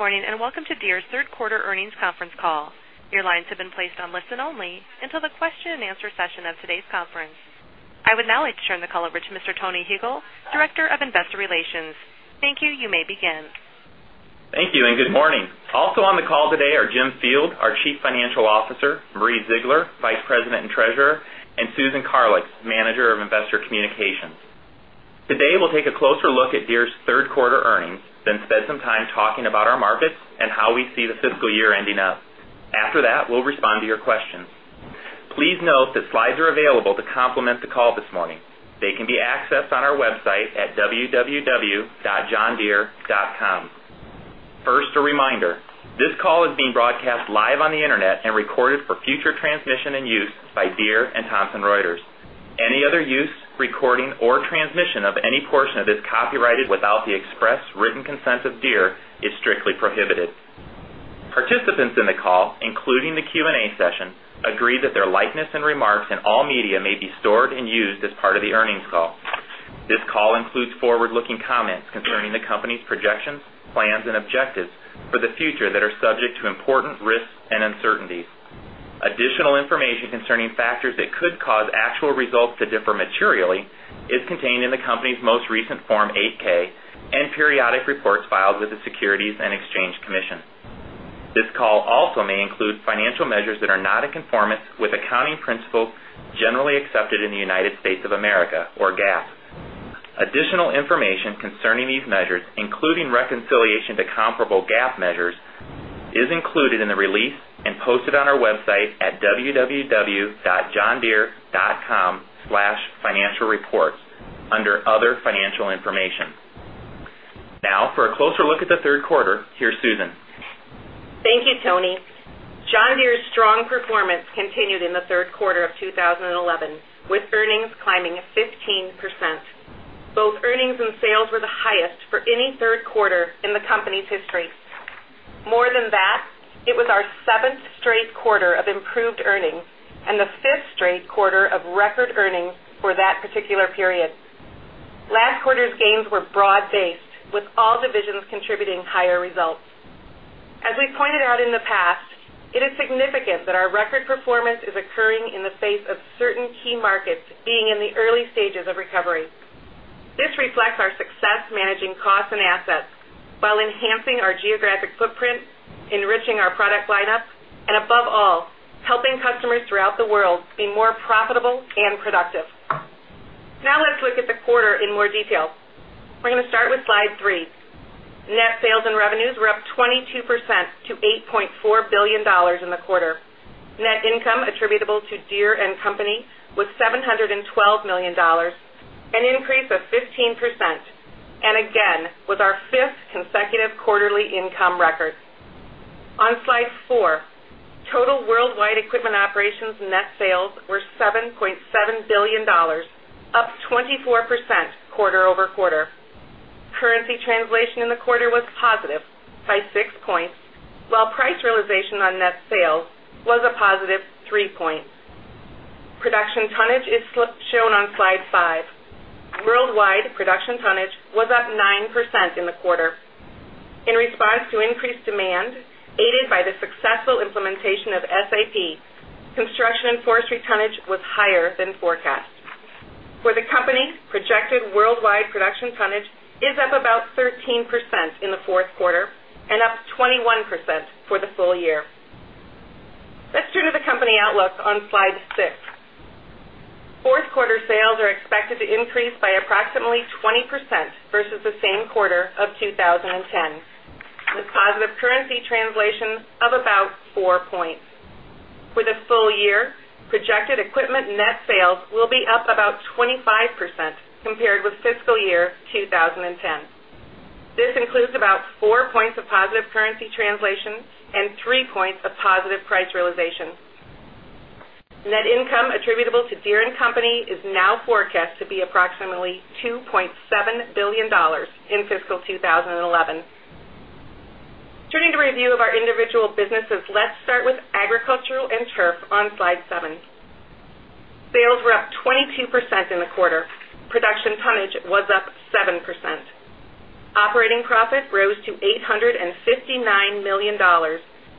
Good morning and welcome to Deere & Company's Third Quarter Earnings Conference Call. Your lines have been placed on listen-only until the question and answer session of today's conference. I would now like to turn the call over to Mr. Tony Hegel, Director of Investor Relations. Thank you, you may begin. Thank you and good morning. Also on the call today are Jim Field, our Chief Financial Officer, Marie Ziegler, Vice President and Treasurer, and Susan Karlich, Manager of Investor Communications. Today, we'll take a closer look at Deere's third quarter earnings, then spend some time talking about our markets and how we see the fiscal year ending up. After that, we'll respond to your questions. Please note that slides are available to complement the call this morning. They can be accessed on our website at www.johndeere.com. First, a reminder: this call is being broadcast live on the internet and recorded for future transmission and use by Deere and Thomson Reuters. Any other use, recording, or transmission of any portion of this is copyrighted without the express written consent of Deere is strictly prohibited. Participants in the call, including the Q&A session, agree that their likeness and remarks in all media may be stored and used as part of the earnings call. This call includes forward-looking comments concerning the company's projections, plans, and objectives for the future that are subject to important risks and uncertainties. Additional information concerning factors that could cause actual results to differ materially is contained in the company's most recent Form 8-K and periodic reports filed with the Securities and Exchange Commission. This call also may include financial measures that are not in conformance with accounting principles generally accepted in the U.S. Additional information concerning these measures, including reconciliation to comparable GAAP measures, is included in the release and posted on our website at www.johndeere.com/financialreports under Other Financial Information. Now, for a closer look at the third quarter, here's Susan. Thank you, Tony. John Deere's strong performance continued in the third quarter of 2011, with earnings climbing 15%. Both earnings and sales were the highest for any third quarter in the company's history. More than that, it was our seventh straight quarter of improved earnings and the fifth straight quarter of record earnings for that particular period. Last quarter's gains were broad-based, with all divisions contributing higher results. As we've pointed out in the past, it is significant that our record performance is occurring in the face of certain key markets being in the early stages of recovery. This reflects our success managing costs and assets while enhancing our geographic footprint, enriching our product lineup, and above all, helping customers throughout the world be more profitable and productive. Now, let's look at the quarter in more detail. We're going to start with slide three. Net sales and revenues were up 22% to $8.4 billion in the quarter. Net income attributable to Deere & Company was $712 million, an increase of 15%, and again, was our fifth consecutive quarterly income record. On slide four, total worldwide equipment operations net sales were $7.7 billion, up 24% quarter-over-quarter. Currency translation in the quarter was positive, high six points, while price realization on net sales was a positive three points. Production tonnage is shown on slide five. Worldwide production tonnage was up 9% in the quarter. In response to increased demand aided by the successful implementation of SAP, construction and forestry tonnage was higher than forecast. For the company, projected worldwide production tonnage is up about 13% in the fourth quarter and up 21% for the full year. Let's turn to the company outlook on slide six. Fourth quarter sales are expected to increase by approximately 20% versus the same quarter of 2010, with positive currency translation of about four points. For the full year, projected equipment net sales will be up about 25% compared with fiscal year 2010. This includes about four points of positive currency translation and three points of positive price realization. Net income attributable to Deere & Company is now forecast to be approximately $2.7 billion in fiscal 2011. Turning to review of our individual businesses, let's start with agricultural and turf on slide seven. Sales were up 22% in the quarter. Production tonnage was up 7%. Operating profit rose to $859 million,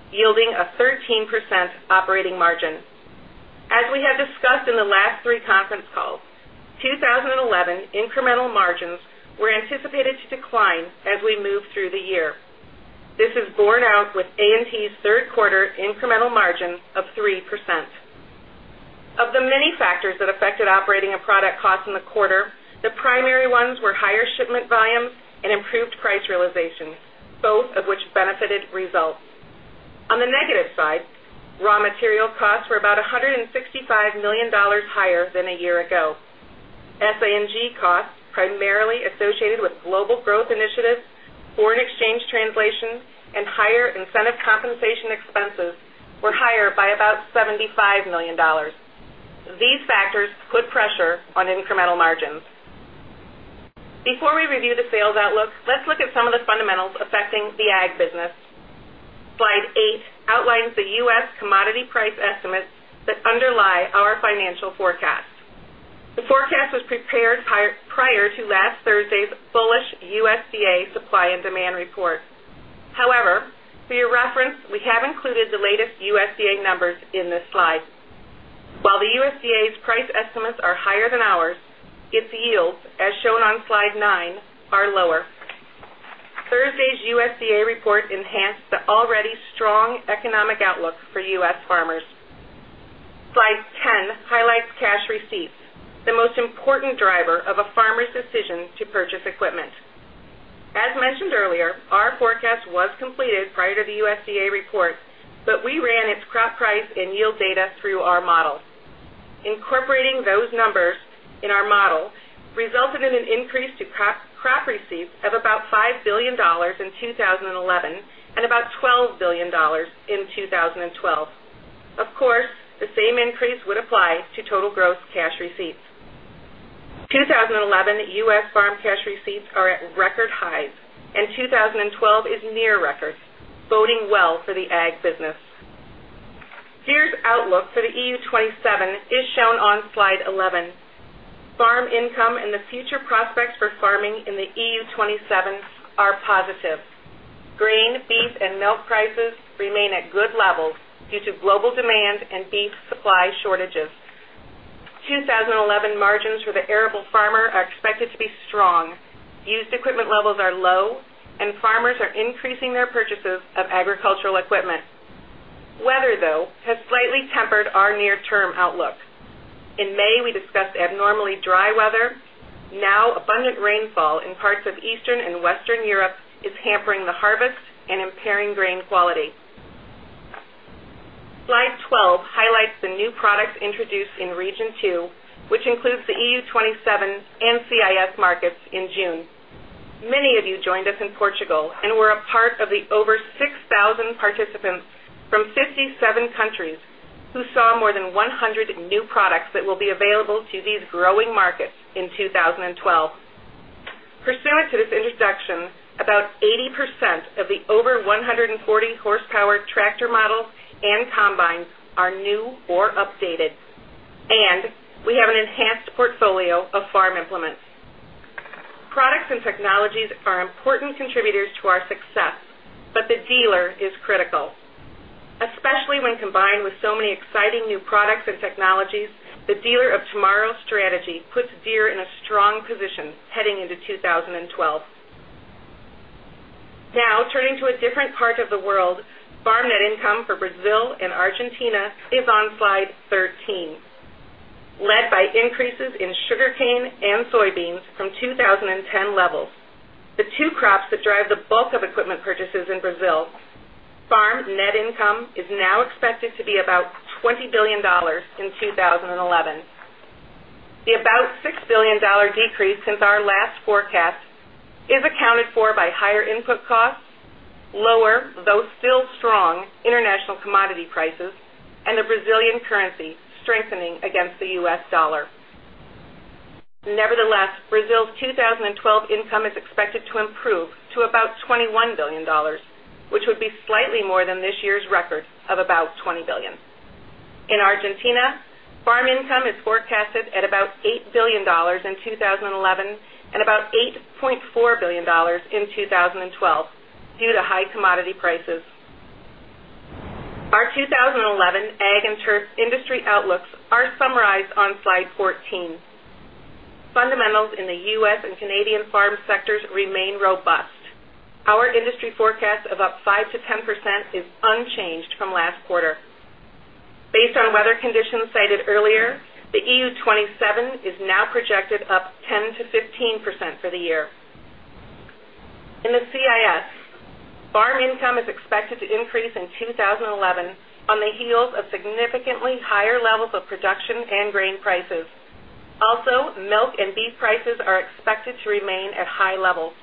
yielding a 13% operating margin. As we have discussed in the last three conference calls, 2011 incremental margins were anticipated to decline as we move through the year. This is borne out with A&T's third quarter incremental margin of 3%. Of the many factors that affected operating and product costs in the quarter, the primary ones were higher shipment volumes and improved price realization, both of which benefited results. On the negative side, raw material costs were about $165 million higher than a year ago. S&G costs, primarily associated with global growth initiatives, foreign exchange translation, and higher incentive compensation expenses, were higher by about $75 million. These factors put pressure on incremental margins. Before we review the sales outlook, let's look at some of the fundamentals affecting the ag business. Slide eight outlines the U.S. commodity price estimates that underlie our financial forecast. The forecast was prepared prior to last Thursday's bullish USDA supply and demand report. However, for your reference, we have included the latest USDA numbers in this slide. While the USDA's price estimates are higher than ours, its yields, as shown on slide nine, are lower. Thursday's USDA report enhanced the already strong economic outlook for U.S. farmers. Slide 10 highlights cash receipts, the most important driver of a farmer's decision to purchase equipment. As mentioned earlier, our forecast was completed prior to the USDA report, but we ran its crop price and yield data through our model. Incorporating those numbers in our model resulted in an increase to crop receipts of about $5 billion in 2011 and about $12 billion in 2012. Of course, the same increase would apply to total gross cash receipts. 2011 U.S. farm cash receipts are at record highs, and 2012 is near record, boding well for the ag business. Deere's outlook for the EU-27 is shown on slide 11. Farm income and the future prospects for farming in the EU-27 are positive. Grain, beef, and milk prices remain at good levels due to global demand and beef supply shortages. 2011 margins for the arable farmer are expected to be strong. Used equipment levels are low, and farmers are increasing their purchases of agricultural equipment. Weather, though, has slightly tempered our near-term outlook. In May, we discussed abnormally dry weather. Now, abundant rainfall in parts of Eastern and Western Europe is hampering the harvest and impairing grain quality. Slide 12 highlights the new products introduced in Region Two, which includes the EU-27 and CIS markets in June. Many of you joined us in Portugal and were a part of the over 6,000 participants from 57 countries who saw more than 100 new products that will be available to these growing markets in 2012. Pursuant to this introduction, about 80% of the over 140 hp tractor models and combines are new or updated, and we have an enhanced portfolio of farm implements. Products and technologies are important contributors to our success, but the dealer is critical, especially when combined with so many exciting new products and technologies. The dealer of tomorrow's strategy puts Deere in a strong position heading into 2012. Now, turning to a different part of the world, farm net income for Brazil and Argentina is on slide 13, led by increases in sugarcane and soybeans from 2010 levels. The two crops that drive the bulk of equipment purchases in Brazil, farm net income is now expected to be about $20 billion in 2011. The about $6 billion decrease since our last forecast is accounted for by higher input costs, lower, though still strong, international commodity prices, and the Brazilian currency strengthening against the U.S. dollar. Nevertheless, Brazil's 2012 income is expected to improve to about $21 billion, which would be slightly more than this year's record of about $20 billion. In Argentina, farm income is forecasted at about $8 billion in 2011 and about $8.4 billion in 2012 due to high commodity prices. Our 2011 ag and turf industry outlooks are summarized on slide 14. Fundamentals in the U.S. and Canadian farm sectors remain robust. Our industry forecast of up 5%-10% is unchanged from last quarter. Based on weather conditions cited earlier, the EU-27 is now projected up 10%-15% for the year. In the CIS, farm income is expected to increase in 2011 on the heels of significantly higher levels of production and grain prices. Also, milk and beef prices are expected to remain at high levels.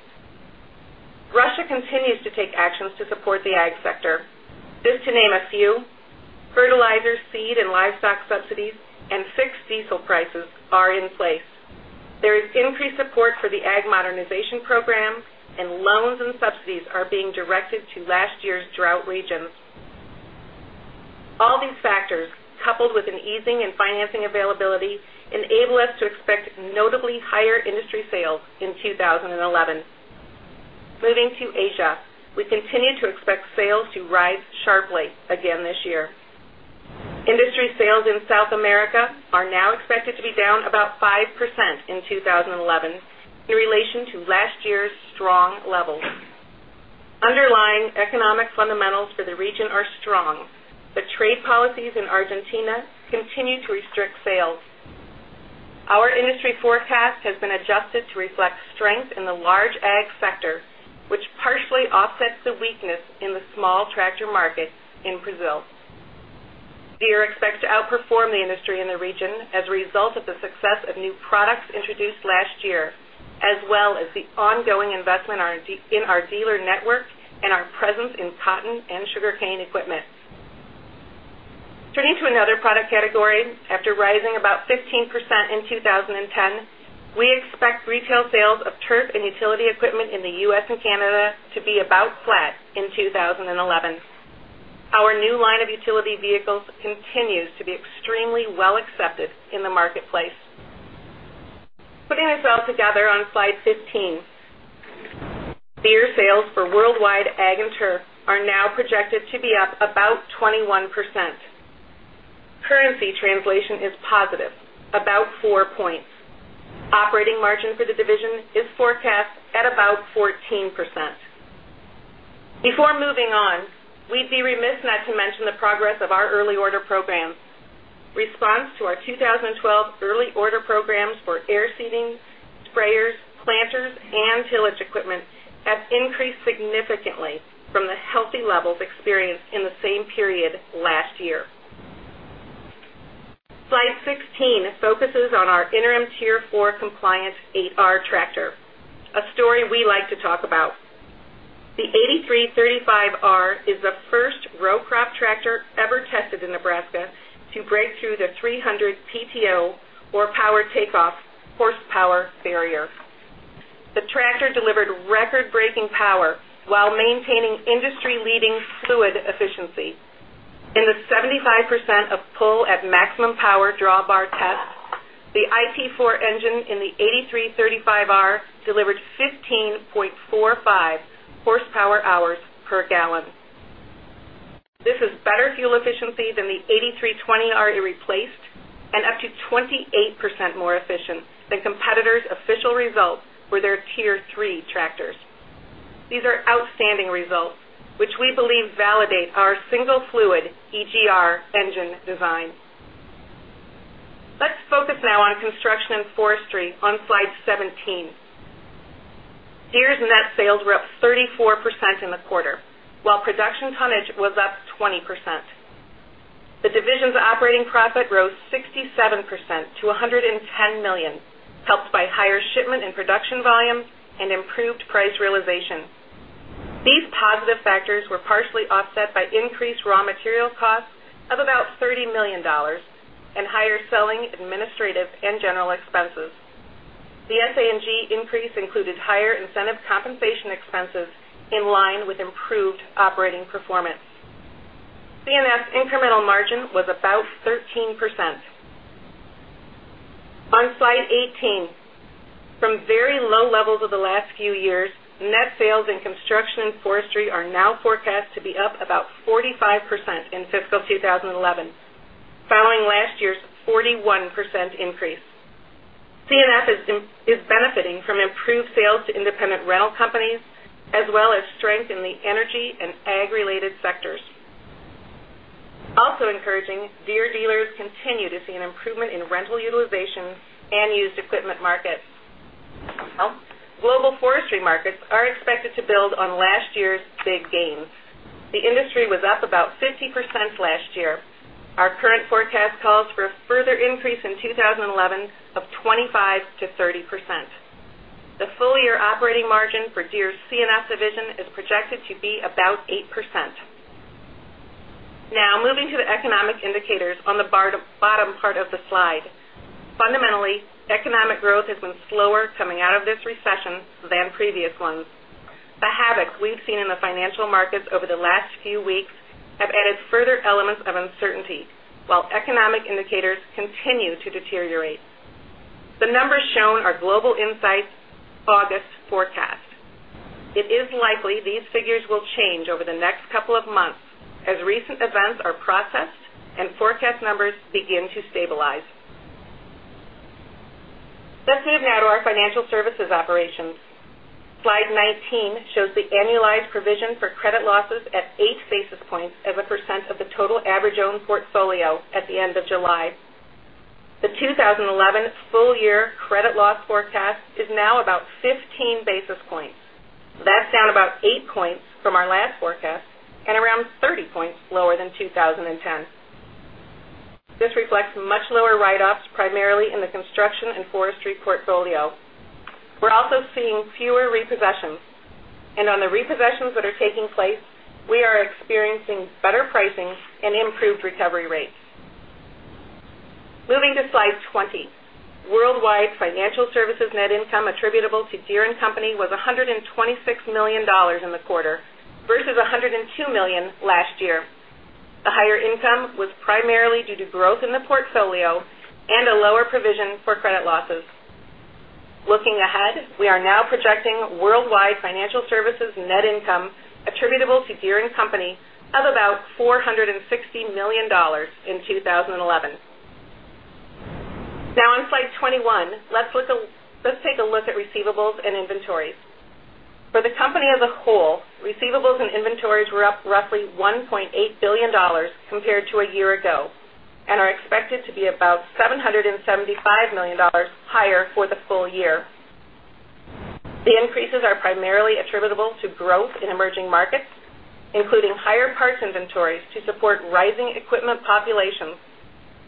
Russia continues to take actions to support the ag sector. Just to name a few, fertilizer, seed, and livestock subsidies and fixed diesel prices are in place. There is increased support for the ag modernization program, and loans and subsidies are being directed to last year's drought regions. All these factors, coupled with an easing in financing availability, enable us to expect notably higher industry sales in 2011. Moving to Asia, we continue to expect sales to rise sharply again this year. Industry sales in South America are now expected to be down about 5% in 2011 in relation to last year's strong levels. Underlying economic fundamentals for the region are strong, but trade policies in Argentina continue to restrict sales. Our industry forecast has been adjusted to reflect strength in the large ag sector, which partially offsets the weakness in the small tractor market in Brazil. Deere expects to outperform the industry in the region as a result of the success of new products introduced last year, as well as the ongoing investment in our dealer network and our presence in cotton and sugarcane equipment. Turning to another product category, after rising about 15% in 2010, we expect retail sales of turf and utility equipment in the U.S. and Canada to be about flat in 2011. Our new line of utility vehicles continues to be extremely well accepted in the marketplace. Putting ourselves together on slide 15, Deere sales for worldwide ag and turf are now projected to be up about 21%. Currency translation is positive, about four points. Operating margin for the division is forecast at about 14%. Before moving on, we'd be remiss not to mention the progress of our early order program. Response to our 2012 early order programs for air seeding, sprayers, planters, and tillage equipment has increased significantly from the healthy levels experienced in the same period last year. Slide 16 focuses on our interim Tier 4 compliant 8R tractor, a story we like to talk about. The 8335R is the first row crop tractor ever tested in Nebraska to break through the 300 PTO, or power takeoff, hp barrier. The tractor delivered record-breaking power while maintaining industry-leading fluid efficiency. In the 75% of pull at maximum power drawbar test, the IP4 engine in the 8335R delivered 15.45 hp-hr/gal. This is better fuel efficiency than the 8320R it replaced and up to 28% more efficient than competitors' official result for their Tier 3 tractors. These are outstanding results, which we believe validate our single fluid EGR engine design. Let's focus now on construction and forestry on slide 17. Deere's net sales were up 34% in the quarter, while production tonnage was up 20%. The division's operating profit rose 67% to $110 million, helped by higher shipment and production volumes and improved price realization. These positive factors were partially offset by increased raw material costs of about $30 million and higher selling, administrative, and general expenses. The S&G increase included higher incentive compensation expenses in line with improved operating performance. C&S incremental margin was about 13%. On slide 18, from very low levels of the last few years, net sales in construction and forestry are now forecast to be up about 45% in fiscal 2011, following last year's 41% increase. C&S is benefiting from improved sales to independent rail companies, as well as strength in the energy and ag-related sectors. Also encouraging, Deere dealers continue to see an improvement in rental utilization and used equipment markets. Global forestry markets are expected to build on last year's big gain. The industry was up about 50% last year. Our current forecast calls for a further increase in 2011 of 25%-30%. The full year operating margin for Deere's C&S division is projected to be about 8%. Now, moving to the economic indicators on the bottom part of the slide. Fundamentally, economic growth has been slower coming out of this recession than previous ones. The havoc we've seen in the financial markets over the last few weeks has added further elements of uncertainty, while economic indicators continue to deteriorate. The numbers shown are Global Insights' August forecast. It is likely these figures will change over the next couple of months as recent events are processed and forecast numbers begin to stabilize. Let's move now to our financial services operations. Slide 19 shows the annualized provision for credit losses at 8 basis points as a percent of the total average owned portfolio at the end of July. The 2011 full year credit loss forecast is now about 15 basis points. That's down about eight points from our last forecast and around 30 points lower than 2010. This reflects much lower write-ups, primarily in the construction and forestry portfolio. We're also seeing fewer repossessions, and on the repossessions that are taking place, we are experiencing better pricing and improved recovery rates. Moving to slide 20, worldwide financial services net income attributable to Deere & Company was $126 million in the quarter versus $102 million last year. The higher income was primarily due to growth in the portfolio and a lower provision for credit losses. Looking ahead, we are now projecting worldwide financial services net income attributable to Deere & Company of about $460 million in 2011. Now, on slide 21, let's take a look at receivables and inventory. For the company as a whole, receivables and inventories were up roughly $1.8 billion compared to a year ago and are expected to be about $775 million higher for the full year. The increases are primarily attributable to growth in emerging markets, including higher parts inventories to support rising equipment populations,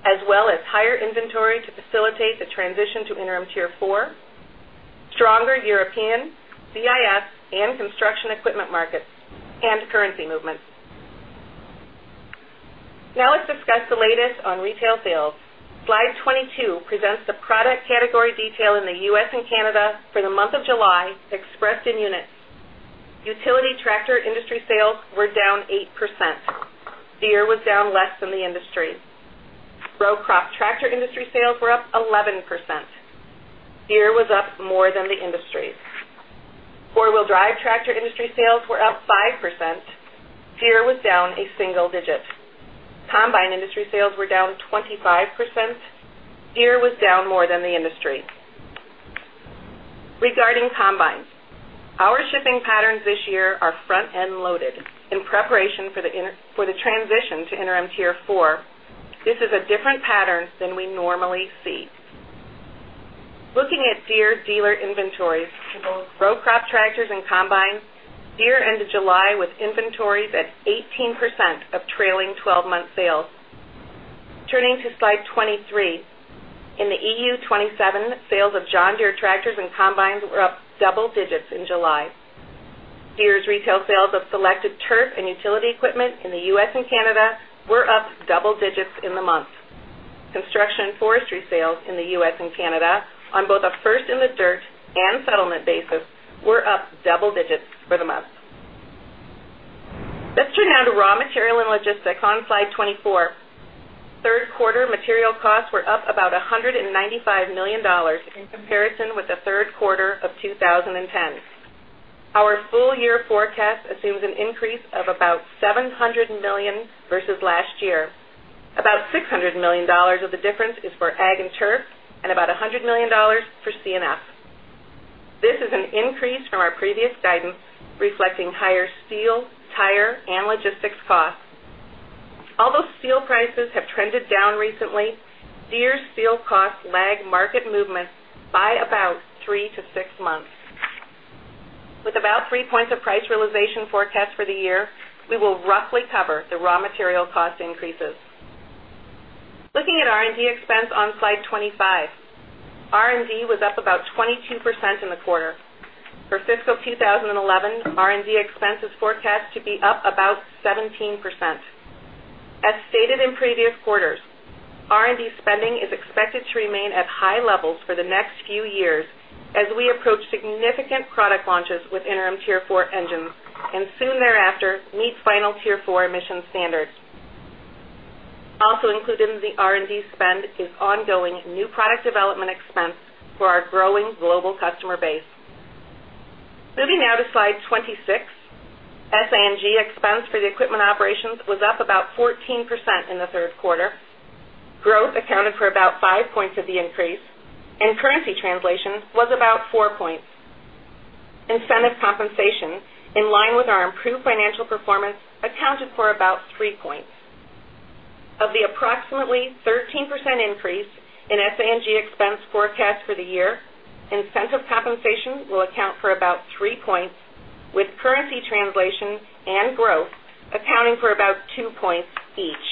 as well as higher inventory to facilitate the transition to interim Tier 4, stronger European, CIS, and construction equipment markets, and currency movements. Now, let's discuss the latest on retail sales. Slide 22 presents the product category detail in the U.S. and Canada for the month of July, expressed in units. Utility tractor industry sales were down 8%. Deere was down less than the industry. Row crop tractor industry sales were up 11%. Deere was up more than the industry. Four-wheel drive tractor industry sales were up 5%. Deere was down a single digit. Combine industry sales were down 25%. Deere was down more than the industry. Regarding combines, our shipping patterns this year are front-end loaded in preparation for the transition to interim Tier 4. This is a different pattern than we normally see. Looking at Deere dealer inventories for both row crop tractors and combines, Deere ended July with inventories at 18% of trailing 12-month sales. Turning to slide 23, in the EU-27, sales of John Deere tractors and combines were up double digits in July. Deere's retail sales of selective turf and utility equipment in the U.S. and Canada were up double digits in the month. Construction and forestry sales in the U.S. and Canada, on both a first-in-the-dirt and settlement basis, were up double digits for the month. Let's turn now to raw material and logistics on slide 24. Third quarter material costs were up about $195 million in comparison with the third quarter of 2010. Our full year forecast assumes an increase of about $700 million versus last year. About $600 million of the difference is for ag and turf and about $100 million for C&S. This is an increase from our previous guidance, reflecting higher steel, tire, and logistics costs. Although steel prices have trended down recently, Deere's steel costs lag market movements by about three to six months. With about three points of price realization forecast for the year, we will roughly cover the raw material cost increases. Looking at R&D expense on slide 25, R&D was up about 22% in the quarter. For fiscal 2011, R&D expense is forecast to be up about 17%. As stated in previous quarters, R&D spending is expected to remain at high levels for the next few years as we approach significant product launches with interim Tier 4 engines and soon thereafter meet final Tier 4 emission standards. Also included in the R&D spend is ongoing new product development expense for our growing global customer base. Moving now to slide 26, S&G expense for the equipment operations was up about 14% in the third quarter. Growth accounted for about five points of the increase, and currency translation was about four points. Incentive compensation, in line with our improved financial performance, accounted for about three points. Of the approximately 13% increase in S&G expense forecast for the year, incentive compensation will account for about three points, with currency translation and growth accounting for about two points each.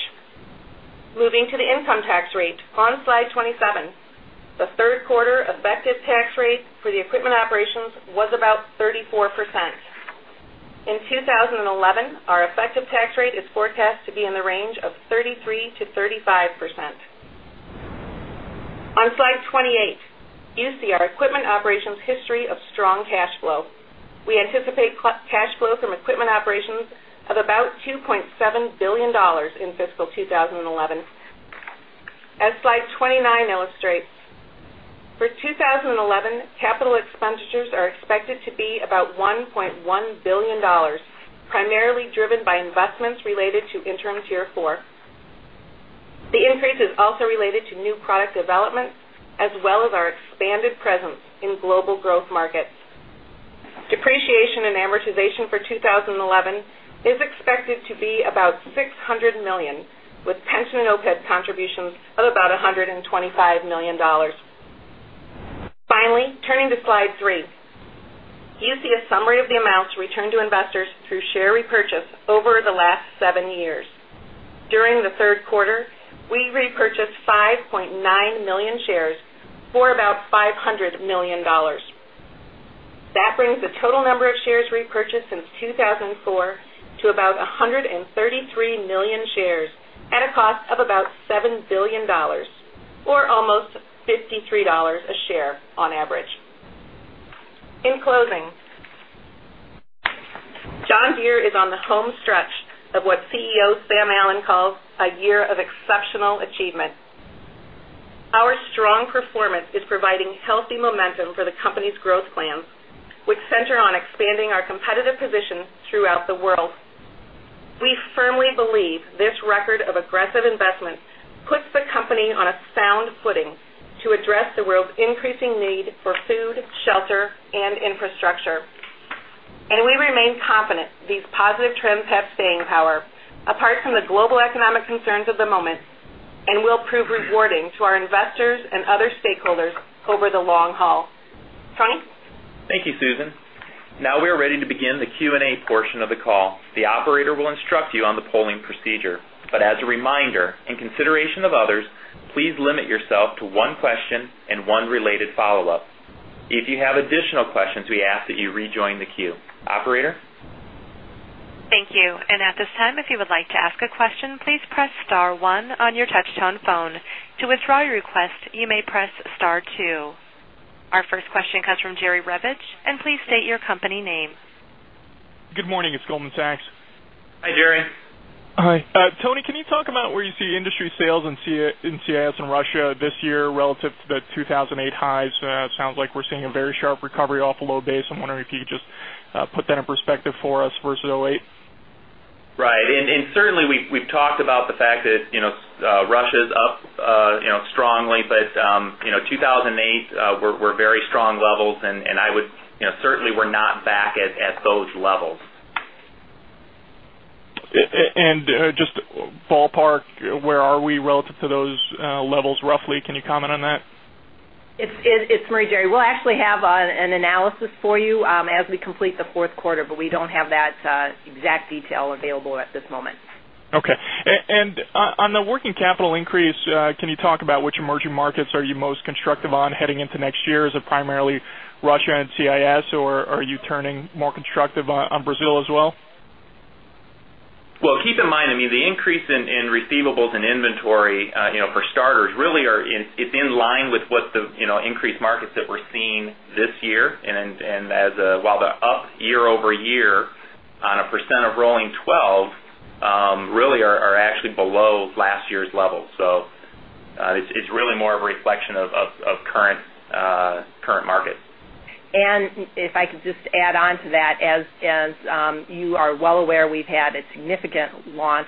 Moving to the income tax rate, on slide 27, the third quarter effective tax rate for the equipment operations was about 34%. In 2011, our effective tax rate is forecast to be in the range of 33%-35%. On slide 28, you see our equipment operations' history of strong cash flow. We anticipate cash flow from equipment operations of about $2.7 billion in fiscal 2011. As slide 29 illustrates, for 2011, capital expenditures are expected to be about $1.1 billion, primarily driven by investments related to interim Tier 4. The increase is also related to new product developments, as well as our expanded presence in global growth markets. Depreciation and amortization for 2011 is expected to be about $600 million, with pension and OPEB contributions of about $125 million. Finally, turning to slide three, you see a summary of the amounts returned to investors through share repurchase over the last seven years. During the third quarter, we repurchased 5.9 million shares for about $500 million. That brings the total number of shares repurchased since 2004 to about 133 million shares at a cost of about $7 billion, or almost $53 a share on average. In closing, John Deere is on the home stretch of what CEO Sam Allen calls a year of exceptional achievement. Our strong performance is providing healthy momentum for the company's growth plans, which center on expanding our competitive position throughout the world. We firmly believe this record of aggressive investment puts the company on a sound footing to address the world's increasing need for food, shelter, and infrastructure. We remain confident these positive trends have staying power apart from the global economic concerns at the moment and will prove rewarding to our investors and other stakeholders over the long haul. Tony. Thank you, Susan. Now we are ready to begin the Q&A portion of the call. The operator will instruct you on the polling procedure. As a reminder and consideration of others, please limit yourself to one question and one related follow-up. If you have additional questions, we ask that you rejoin the queue. Operator. Thank you. At this time, if you would like to ask a question, please press star one on your touch-tone phone. To withdraw your request, you may press star two. Our first question comes from Jerry Revich, and please state your company name. Good morning. It's Goldman Sachs. Hi, Jerry. Hi. Tony, can you talk about where you see industry sales in CIS and Russia this year relative to the 2008 highs? It sounds like we're seeing a very sharp recovery off a low base. I'm wondering if you could just put that in perspective for us versus 2008. Right. Certainly, we've talked about the fact that Russia is up strongly, but 2008 were very strong levels, and I would certainly say we're not back at those levels. Where are we relative to those levels roughly? Can you comment on that? It's me, Jerry. We will actually have an analysis for you as we complete the fourth quarter, but we don't have that exact detail available at this moment. Okay. On the working capital increase, can you talk about which emerging markets are you most constructive on heading into next year? Is it primarily Russia and CIS, or are you turning more constructive on Brazil as well? Keep in mind, the increase in receivables and inventory, you know, for starters, really it's in line with what the increased markets that we're seeing this year. While they're up year-over-year on a % of rolling 12, really are actually below last year's levels. It's really more of a reflection of current markets. If I could just add on to that, as you are well aware, we've had a significant launch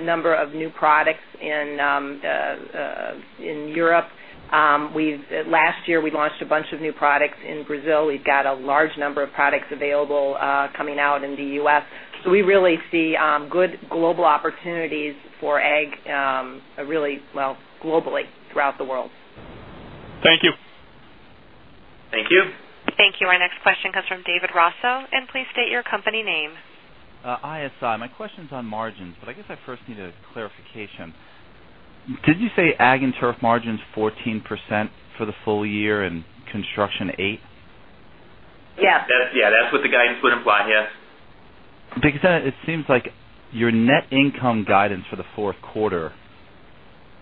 number of new products in Europe. Last year, we launched a bunch of new products in Brazil. We've got a large number of products available coming out in the U.S. We really see good global opportunities for ag really, well, globally throughout the world. Thank you. Thank you. Thank you. Our next question comes from David Raso, and please state your company name. ISI. My question is on margins, but I guess I first need a clarification. Did you say ag and turf margins 14% for the full year and construction 8%? Yeah, that's what the guidance would imply, yes. Because it seems like your net income guidance for the fourth quarter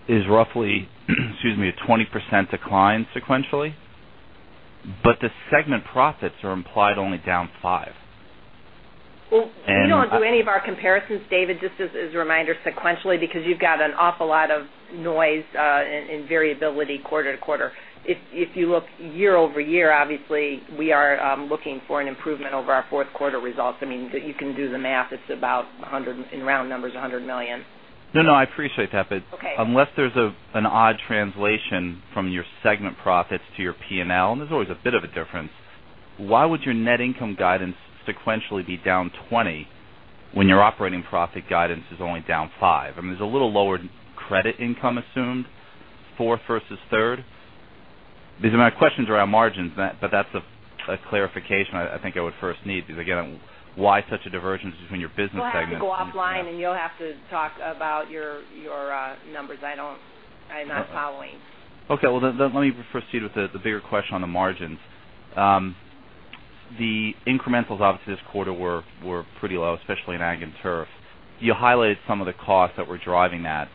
is roughly, excuse me, a 20% decline sequentially, but the segment profits are implied only down 5%. We don't do any of our comparisons, David, just as a reminder, sequentially because you've got an awful lot of noise and variability quarter-to-quarter. If you look year-over-year, obviously, we are looking for an improvement over our fourth quarter result. I mean, you can do the math. It's about $100 million in round numbers, $100 million. I appreciate that, but unless there's an odd translation from your segment profits to your P&L, and there's always a bit of a difference, why would your net income guidance sequentially be down 20% when your operating profit guidance is only down 5%? I mean, there's a little lower credit income assumed, fourth versus third. My question is around margins, but that's a clarification I think I would first need because, again, why such a diversion between your business segment? I'm going to go offline and you'll have to talk about your numbers. I'm not following. Let me proceed with the bigger question on the margins. The incrementals, obviously, this quarter were pretty low, especially in ag and turf. You highlighted some of the costs that were driving that.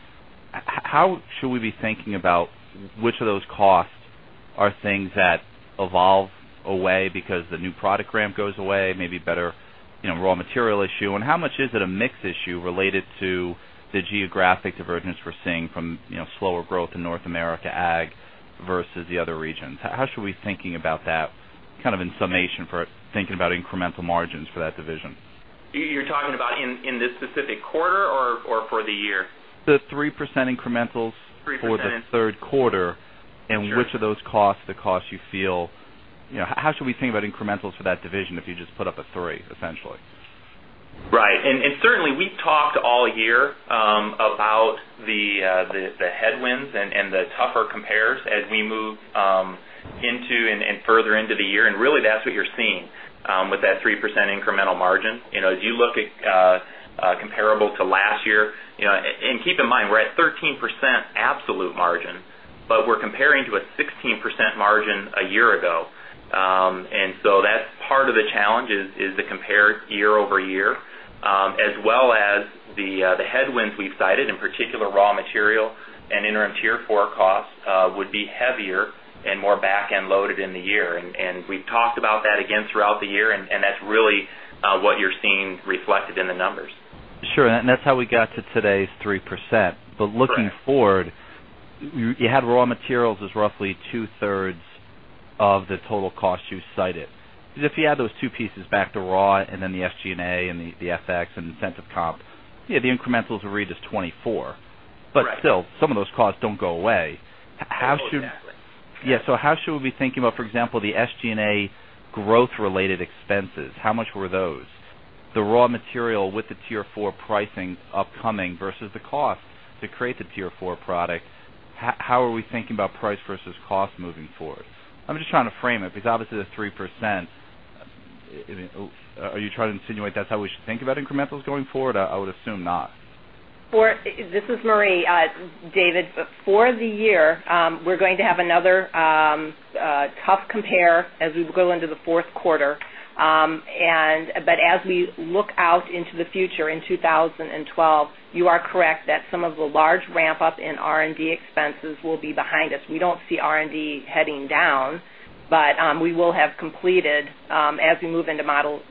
How should we be thinking about which of those costs are things that evolve away because the new product ramp goes away, maybe better raw material issue, and how much is it a mix issue related to the geographic divergence we're seeing from slower growth in North America ag versus the other regions? How should we be thinking about that kind of in summation for thinking about incremental margins for that division? You're talking about in this specific quarter or for the year? The 3% incrementals for the third quarter, and which of those costs are the costs you feel? How should we think about incrementals for that division if you just put up a 3%, essentially? Right. Certainly, we've talked all year about the headwinds and the tougher compares, and we moved into and further into the year, and really, that's what you're seeing with that 3% incremental margin. As you look at comparable to last year, and keep in mind, we're at 13% absolute margin, but we're comparing to a 16% margin a year ago. That's part of the challenge, to compare year over year, as well as the headwinds we've cited, in particular, raw material and interim Tier 4 costs would be heavier and more back-end loaded in the year. We've talked about that again throughout the year, and that's really what you're seeing reflected in the numbers. Sure. That's how we got to today's 3%. Looking forward, you had raw materials as roughly two-thirds of the total cost you cited. If you add those two pieces back to raw and then the SG&A and the FX and incentive comp, the incrementals we read is 24%. Still, some of those costs don't go away. Exactly. Yeah. How should we be thinking about, for example, the SG&A growth-related expenses? How much were those? The raw material with the Tier 4 pricing upcoming versus the cost to create the Tier 4 product, how are we thinking about price versus cost moving forward? I'm just trying to frame it because obviously, the 3%, are you trying to insinuate that's how we should think about incrementals going forward? I would assume not. This is Marie. David, for the year, we're going to have another tough compare as we go into the fourth quarter. As we look out into the future in 2012, you are correct that some of the large ramp-up in R&D expenses will be behind us. We don't see R&D heading down, but we will have completed as we move into model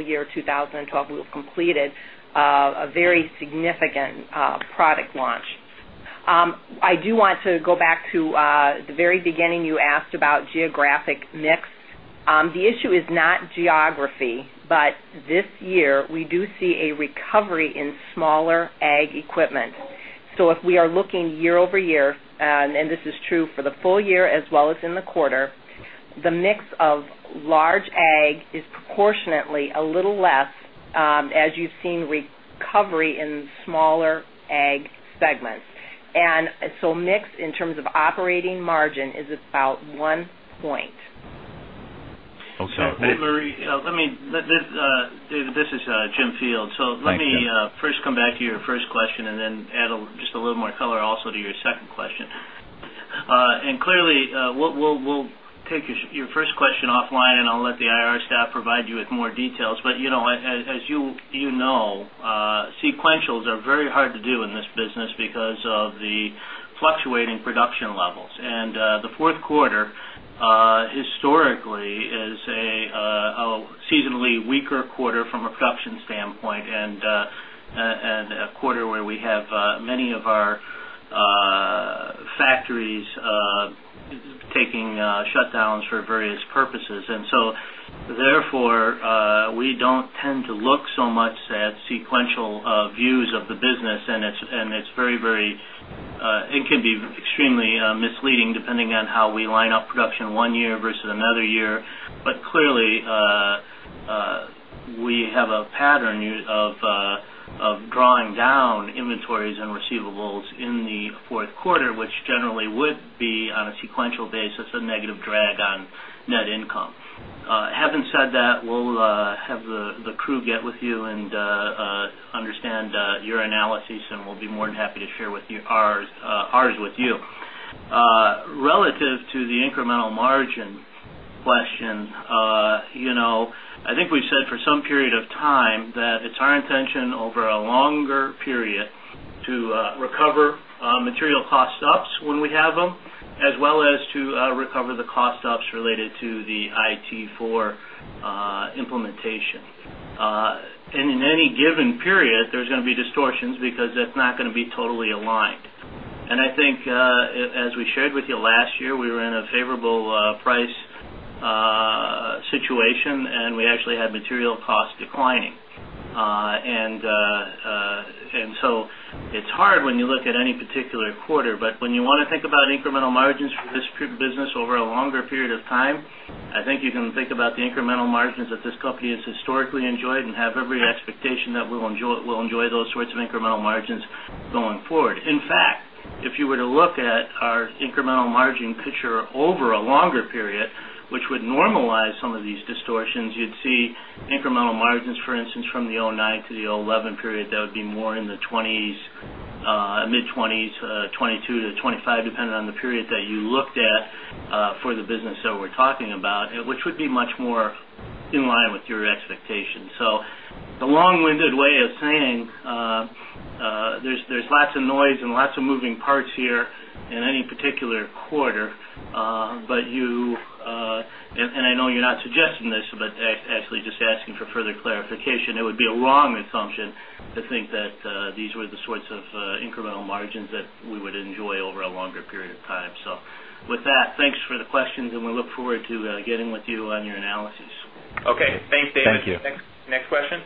year 2012. We'll have completed a very significant product launch. I do want to go back to the very beginning you asked about geographic mix. The issue is not geography, but this year, we do see a recovery in smaller ag equipment. If we are looking year over year, and this is true for the full year as well as in the quarter, the mix of large ag is proportionately a little less as you've seen recovery in smaller ag segments. Mix in terms of operating margin is about one point. Okay. Marie, let me, David, this is Jim Field. Let me first come back to your first question and then add just a little more color also to your second question. Clearly, we'll take your first question offline, and I'll let the IRS staff provide you with more details. As you know, sequentials are very hard to do in this business because of the fluctuating production levels. The fourth quarter historically is a seasonally weaker quarter from a production standpoint and a quarter where we have many of our factories taking shutdowns for various purposes. Therefore, we don't tend to look so much at sequential views of the business, and it is very, very, and can be extremely misleading depending on how we line up production one year versus another year. Clearly, we have a pattern of drawing down inventories and receivables in the fourth quarter, which generally would be, on a sequential basis, a negative drag on net income. Having said that, we'll have the crew get with you and understand your analysis, and we'll be more than happy to share ours with you. Relative to the incremental margin question, I think we've said for some period of time that it's our intention over a longer period to recover material cost stops when we have them, as well as to recover the cost stops related to the IT for implementation. In any given period, there's going to be distortions because it's not going to be totally aligned. As we shared with you last year, we were in a favorable price situation, and we actually had material costs declining. It's hard when you look at any particular quarter, but when you want to think about incremental margins for this business over a longer period of time, I think you can think about the incremental margins that this company has historically enjoyed and have every expectation that we'll enjoy those sorts of incremental margins going forward. In fact, if you were to look at our incremental margin picture over a longer period, which would normalize some of these distortions, you'd see incremental margins, for instance, from the 2009 to the 2011 period that would be more in the 20s, mid-20s, 22%-25%, depending on the period that you looked at for the business that we're talking about, which would be much more in line with your expectations. The long-winded way of saying there's lots of noise and lots of moving parts here in any particular quarter, but you and I know you're not suggesting this, but actually just asking for further clarification, it would be a wrong assumption to think that these were the sorts of incremental margins that we would enjoy over a longer period of time. With that, thanks for the questions, and we look forward to getting with you on your analysis. Okay. Thanks, David. Thank you. Next question.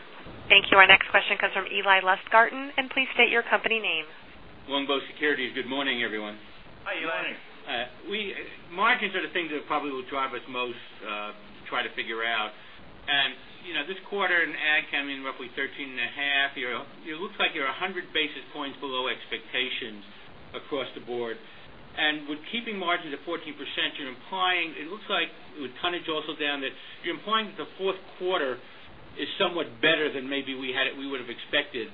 Thank you. Our next question comes from Eli Lustgarten, and please state your company name. Longbow Securities. Good morning, everyone. Hi, Eli. Hi. Margins are the things that probably will drive us most to try to figure out. You know this quarter in ag came in roughly 13.5%. It looks like you're 100 basis points below expectations across the board. With keeping margins at 14%, you're implying it looks like with tonnage also down that you're implying that the fourth quarter is somewhat better than maybe we had it we would have expected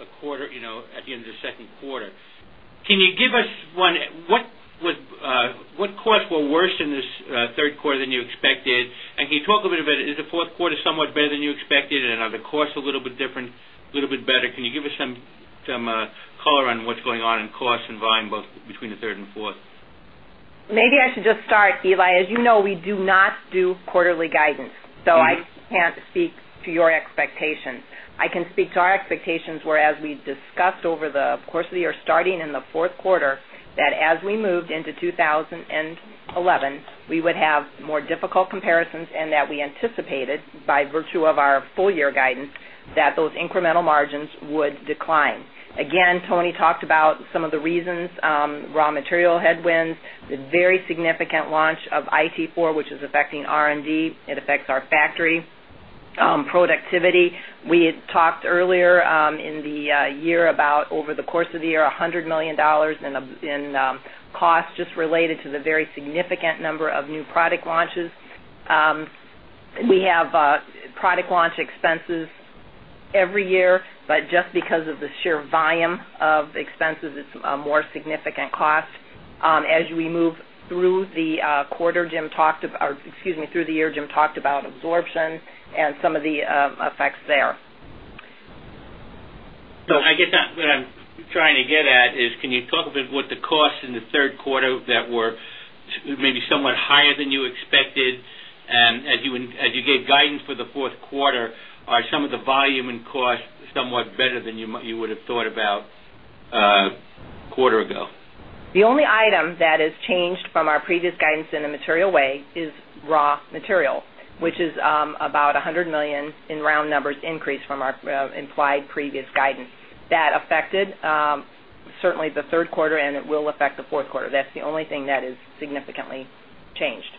a quarter, you know, at the end of the second quarter. Can you give us one, what costs were worse in this third quarter than you expected? Can you talk a little bit about it? Is the fourth quarter somewhat better than you expected, and are the costs a little bit different, a little bit better? Can you give us some color on what's going on in costs and volume both between the third and fourth? Maybe I should just start, Eli. As you know, we do not do quarterly guidance, so I can't speak to your expectations. I can speak to our expectations where, as we discussed over the course of the year, starting in the fourth quarter, that as we moved into 2011, we would have more difficult comparisons and that we anticipated by virtue of our full-year guidance that those incremental margins would decline. Again, Tony talked about some of the reasons: raw material headwinds, the very significant launch of interim Tier 4, which is affecting R&D. It affects our factory productivity. We had talked earlier in the year about over the course of the year, $100 million in costs just related to the very significant number of new product launches. We have product launch expenses every year, but just because of the sheer volume of expenses, it's a more significant cost. As we move through the quarter, or excuse me, through the year, Jim talked about absorption and some of the effects there. I guess what I'm trying to get at is can you talk a bit about the costs in the third quarter that were maybe somewhat higher than you expected? As you gave guidance for the fourth quarter, are some of the volume and costs somewhat better than you would have thought about a quarter ago? The only item that has changed from our previous guidance in a material way is raw material, which is about $100 million in round numbers increase from our implied previous guidance. That affected certainly the third quarter, and it will affect the fourth quarter. That's the only thing that has significantly changed.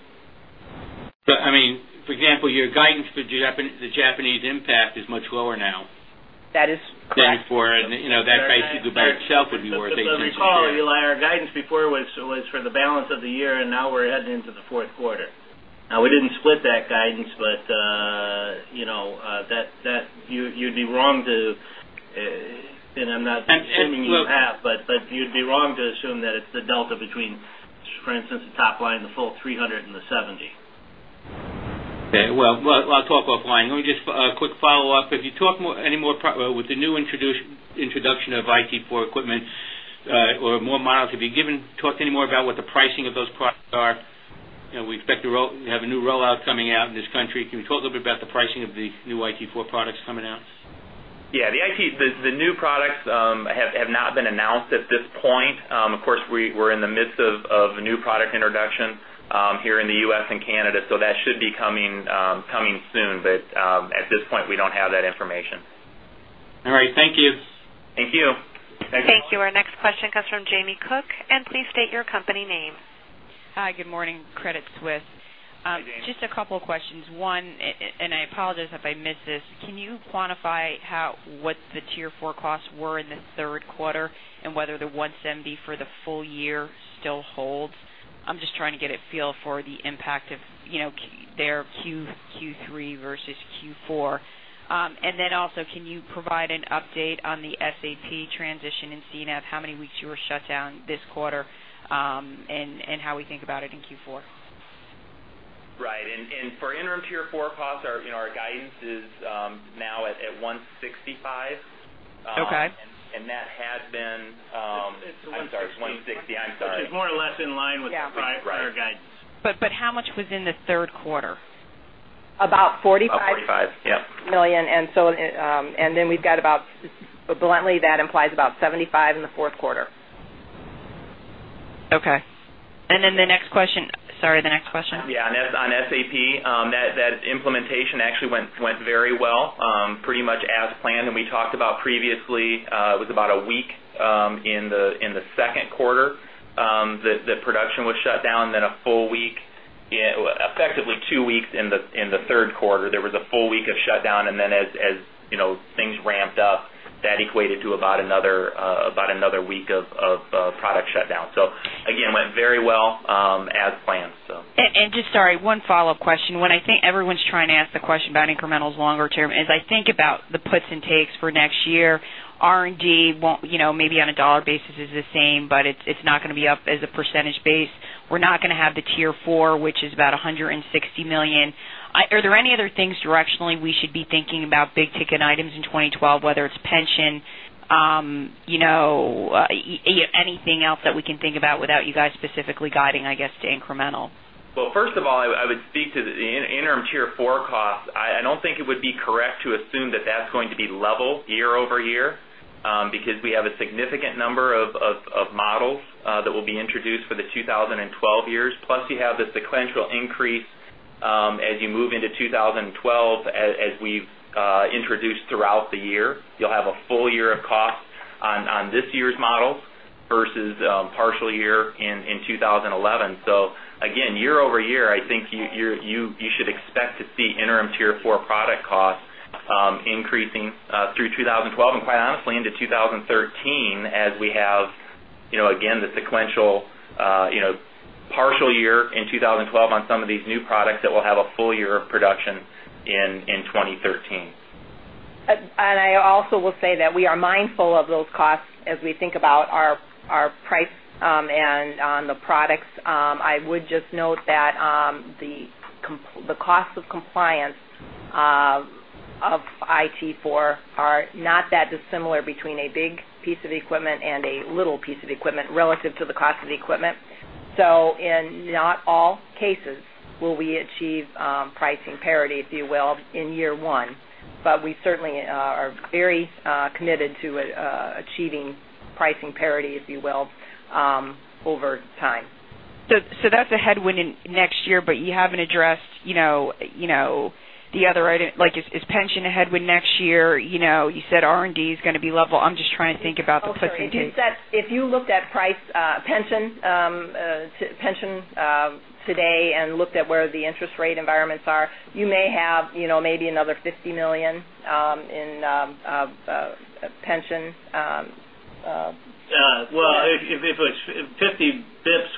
For example, your guidance for the Japanese impact is much lower now. That is. Than before, and you know that basically by itself would be worth. If you recall, Eli, our guidance before was for the balance of the year, and now we're heading into the fourth quarter. We didn't split that guidance, but you know that you'd be wrong to assume that it's the delta between, for instance, the top line in the full $300 million and the $70 million. Okay. I'll talk offline. Let me just ask a quick follow-up. If you talk any more with the new introduction of interim Tier 4 equipment or more models, have you talked any more about what the pricing of those products are? You know we expect to have a new rollout coming out in this country. Can you talk a little bit about the pricing of the new interim Tier 4 products coming out? The IT, the new products have not been announced at this point. Of course, we're in the midst of a new product introduction here in the U.S. and Canada, so that should be coming soon. At this point, we don't have that information. All right. Thank you. Thank you. Thank you. Our next question comes from Jamie Lyn Cook, and please state your company name. Hi. Good morning. Crédit Suisse. Hey, Jamie. Just a couple of questions. One, and I apologize if I missed this, can you quantify what the Tier 4 costs were in this third quarter and whether the $170 million for the full year still holds? I'm just trying to get a feel for the impact of, you know, their Q3 versus Q4. Also, can you provide an update on the SAP transition in C&S, how many weeks you were shut down this quarter, and how we think about it in Q4? Right. For interim Tier 4 costs, our guidance is now at $165 million. Okay. I'm sorry. It's $160. I'm sorry. It's more or less in line with prior guidance. How much was in the third quarter? About $45? About $45 million, yep. Million. We've got about $75 million in the fourth quarter. Okay. The next question. On SAP, that implementation actually went very well, pretty much as planned. We talked about previously, it was about a week in the second quarter that production was shut down, and then a full week, effectively two weeks in the third quarter, there was a full week of shutdown. As things ramped up, that equated to about another week of product shutdown. It went very well as planned. Sorry, one follow-up question. When I think everyone's trying to ask the question about incrementals longer term, as I think about the puts and takes for next year, R&D won't, you know, maybe on a dollar basis is the same, but it's not going to be up as a percentage base. We're not going to have the Tier 4, which is about $160 million. Are there any other things directionally we should be thinking about, big-ticket items in 2012, whether it's pension, you know, anything else that we can think about without you guys specifically guiding, I guess, to incremental? First of all, I would speak to the interim Tier 4 costs. I don't think it would be correct to assume that that's going to be level year over year because we have a significant number of models that will be introduced for the 2012 years. Plus, you have the sequential increase as you move into 2012, as we've introduced throughout the year. You'll have a full year of cost on this year's models versus partial year in 2011. Again, year over year, I think you should expect to see interim Tier 4 product costs increasing through 2012 and quite honestly into 2013 as we have the sequential partial year in 2012 on some of these new products that will have a full year of production in 2013. We are mindful of those costs as we think about our price and on the products. I would just note that the costs of compliance of interim Tier 4 are not that dissimilar between a big piece of equipment and a little piece of equipment relative to the cost of the equipment. In not all cases will we achieve pricing parity, if you will, in year one, but we certainly are very committed to achieving pricing parity, if you will, over time. That's a headwind in next year, but you haven't addressed the other items. Like, is pension a headwind next year? You said R&D is going to be level. I'm just trying to think about the puts and takes. If you looked at price pension today and looked at where the interest rate environments are, you may have maybe another $50 million in pensions. If it's 50 basis points,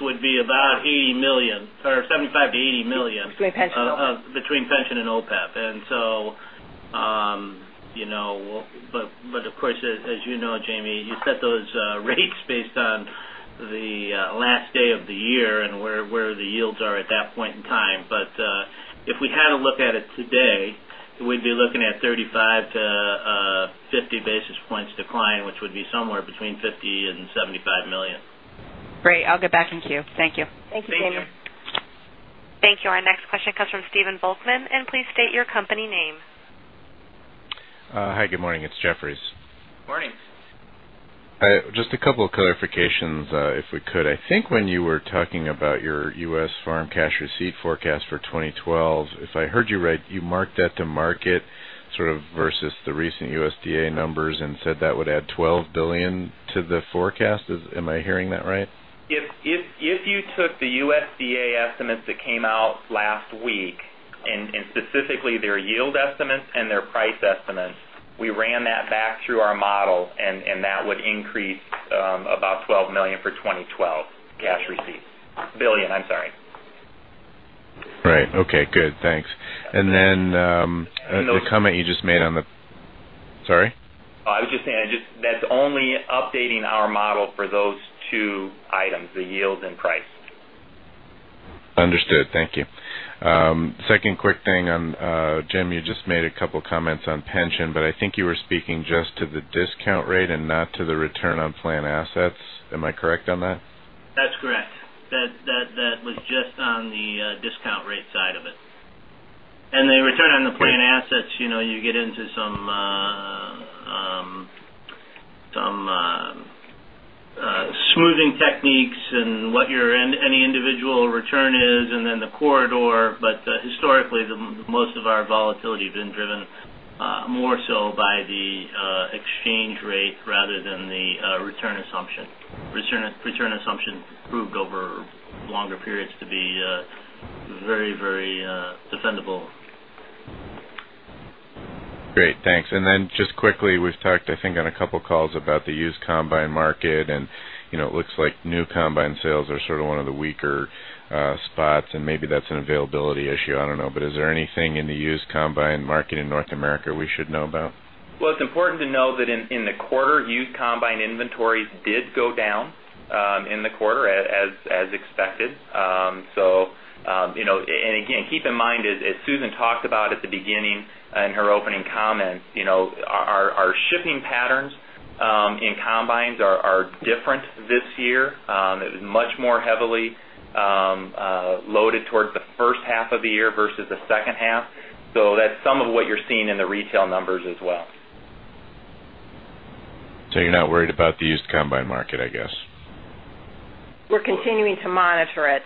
it would be about $75 million-$80 million. Between pension and OPEB. Between pension and OPEB, as you know, Jamie, you set those rates based on the last day of the year and where the yields are at that point in time. If we had to look at it today, we'd be looking at 35-50 basis points decline, which would be somewhere between $50 million and $75 million. Great. I'll get back to you. Thank you. Thank you, Jamie. Thank you. Thank you. Our next question comes from Stephen Volkmann, and please state your company name. Hi. Good morning. It's Jefferies. Morning. All right. Just a couple of clarifications, if we could. I think when you were talking about your U.S. farm cash receipt forecast for 2012, if I heard you right, you marked that the market sort of versus the recent USDA numbers and said that would add $12 billion to the forecast. Am I hearing that right? If you took the USDA estimates that came out last week and specifically their yield estimates and their price estimates, we ran that back through our model, and that would increase about $12 billion for 2012 cash receipts. Billion, I'm sorry. Right. Okay. Good. Thanks. The comment you just made on the, sorry? I was just saying that's only updating our model for those two items, the yield and price. Understood. Thank you. Second quick thing, Jim, you just made a couple of comments on pension, but I think you were speaking just to the discount rate and not to the return on plan assets. Am I correct on that? That's correct. That was just on the discount rate side of it. The return on the plan assets, you know, you get into some smoothing techniques and what your any individual return is, and then the corridor. Historically, most of our volatility has been driven more so by the exchange rate rather than the return assumption. Return assumption proved over longer periods to be very, very defendable. Great. Thanks. Just quickly, we've talked, I think, on a couple of calls about the used combine market, and you know it looks like new combine sales are sort of one of the weaker spots, and maybe that's an availability issue. I don't know. Is there anything in the used combine market in North America we should know about? It's important to know that in the quarter, used combine inventories did go down in the quarter as expected. You know, and again, keep in mind, as Susan talked about at the beginning in her opening comment, our shipping patterns in combines are different this year. It was much more heavily loaded towards the first half of the year versus the second half. That's some of what you're seeing in the retail numbers as well. You're not worried about the used combine market, I guess. We're continuing to monitor it,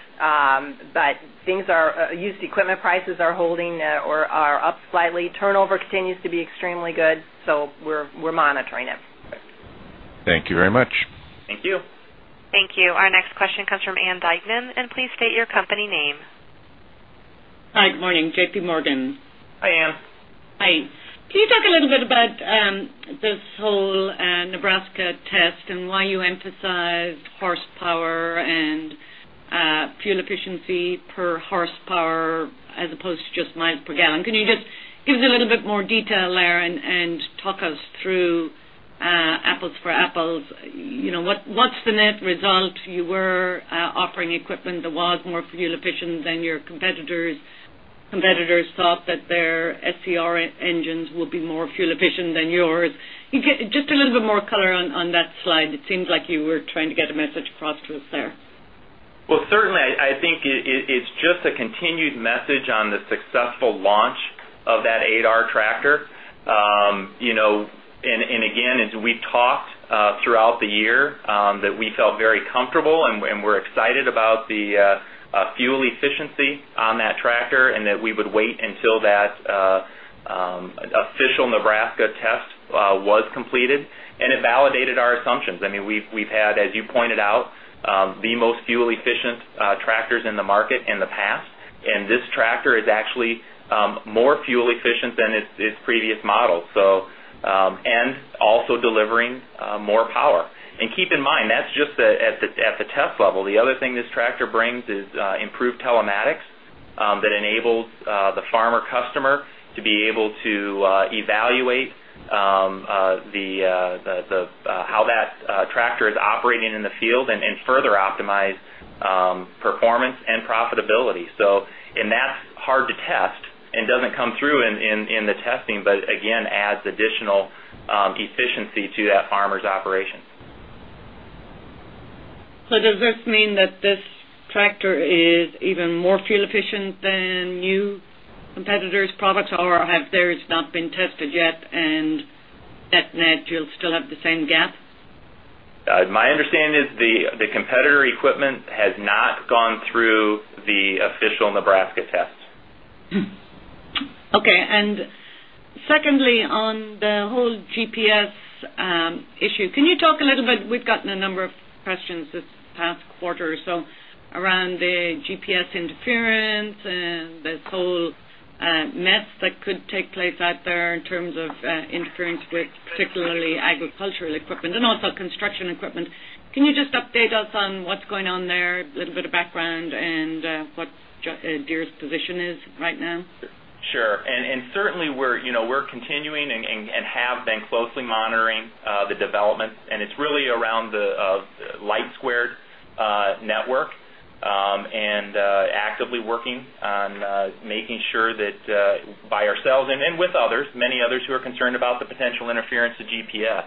but used equipment prices are holding or are up slightly. Turnover continues to be extremely good. We're monitoring it. Thank you very much. Thank you. Thank you. Our next question comes from Anne Dykman, and please state your company name. Hi. Good morning. JPMorgan. Hi, Anne. Hi. Can you talk a little bit about this whole Nebraska test and why you emphasize hp and fuel efficiency per hp as opposed to just mpg? Can you give us a little bit more detail there and talk us through apples for apples? What's the net result? You were offering equipment that was more fuel efficient than your competitors. Competitors thought that their SCR engines would be more fuel efficient than yours. Just a little bit more color on that slide. It seems like you were trying to get a message across to us there. I think it's just a continued message on the successful launch of that 8R tractor. As we talked throughout the year, we felt very comfortable and were excited about the fuel efficiency on that tractor and that we would wait until that official Nebraska test was completed. It validated our assumptions. We've had, as you pointed out, the most fuel-efficient tractors in the market in the past. This tractor is actually more fuel-efficient than its previous model and also delivering more power. Keep in mind, that's just at the test level. The other thing this tractor brings is improved telematics that enables the farmer-customer to be able to evaluate how that tractor is operating in the field and further optimize performance and profitability. That's hard to test and doesn't come through in the testing, but again, adds additional efficiency to that farmer's operation. Does this mean that this tractor is even more fuel-efficient than new competitors' products, or have theirs not been tested yet and that net you'll still have the same gap? My understanding is the competitor equipment has not gone through the official Nebraska test. Okay. Secondly, on the whole GPS issue, can you talk a little bit? We've gotten a number of questions this past quarter around the GPS interference and the whole mess that could take place out there in terms of interference with particularly agricultural equipment and also construction equipment. Can you just update us on what's going on there, a little bit of background, and what Deere's position is right now? Sure. We are continuing and have been closely monitoring the developments. It is really around the Lightsquared network and actively working on making sure that by ourselves and with others, many others who are concerned about the potential interference of GPS,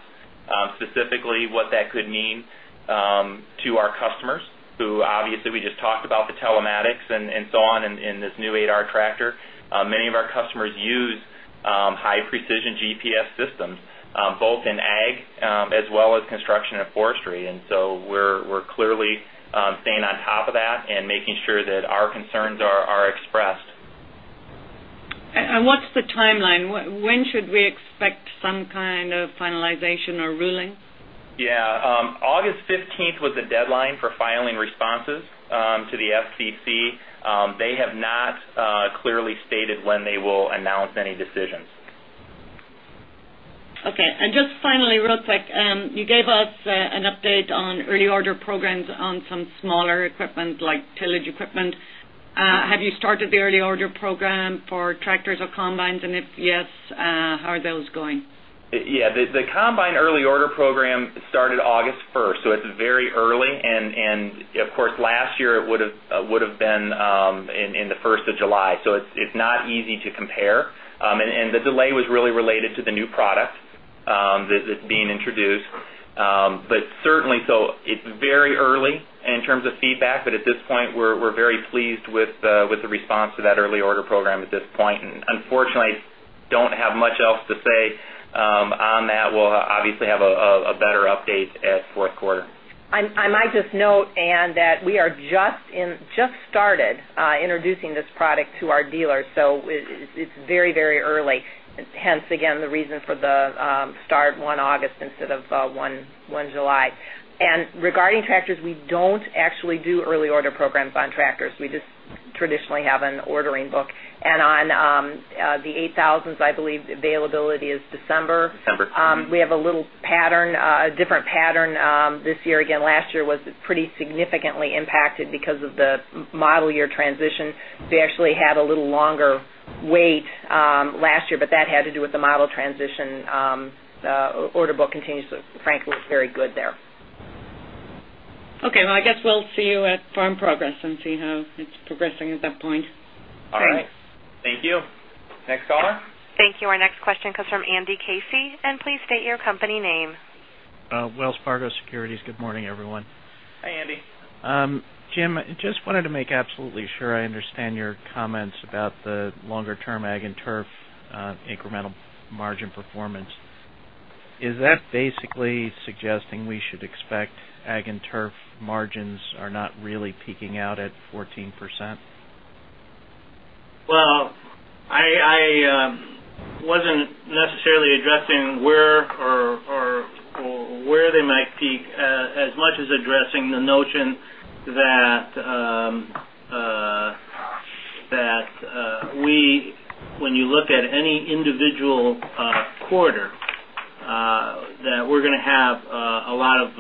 specifically what that could mean to our customers, who obviously we just talked about the telematics and so on in this new 8R tractor. Many of our customers use high-precision GPS systems, both in ag as well as construction and forestry. We are clearly staying on top of that and making sure that our concerns are expressed. What is the timeline? When should we expect some kind of finalization or ruling? Yeah. August 15 was the deadline for filing responses to the FCC. They have not clearly stated when they will announce any decisions. Okay. Just finally, real quick, you gave us an update on early order programs on some smaller equipment, like tillage equipment. Have you started the early order program for tractors or combines? If yes, how are those going? The combine early order program started August 1st. It's very early. Last year it would have been the 1st of July, so it's not easy to compare. The delay was really related to the new product that's being introduced. It's very early in terms of feedback. At this point, we're very pleased with the response to that early order program. Unfortunately, I don't have much else to say on that. We'll obviously have a better update at the fourth quarter. I might just note, Ann, that we have just started introducing this product to our dealer. It's very, very early. Hence, the reason for the start 1 August instead of 1 July. Regarding tractors, we don't actually do early order programs on tractors. We just traditionally have an ordering book, and on the 8000s, I believe availability is December. December. We have a different pattern this year. Last year was pretty significantly impacted because of the model year transition. We actually had a little longer wait last year, but that had to do with the model transition. The order book continues, frankly, looks very good there. Okay. I guess we'll see you at Farm Progress and see how it's progressing at that point. All right. Thank you. Next caller. Thank you. Our next question comes from Andy Casey, and please state your company name. Wells Fargo Securities. Good morning, everyone. Hi, Andy. Jim, I just wanted to make absolutely sure I understand your comments about the longer-term Ag and Turf incremental margin performance. Is that basically suggesting we should expect Ag and Turf margins are not really peaking out at 14%? I wasn't necessarily addressing where or where they might peak as much as addressing the notion that we, when you look at any individual quarter, that we're going to have a lot of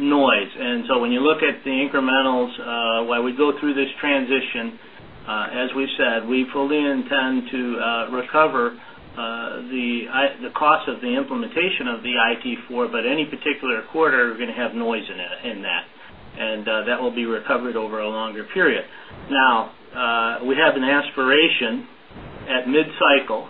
noise. When you look at the incrementals, while we go through this transition, as we said, we fully intend to recover the cost of the implementation of the interim Tier 4, but any particular quarter, we're going to have noise in that. That will be recovered over a longer period. We have an aspiration at mid-cycle